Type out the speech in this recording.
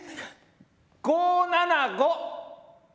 ５７５。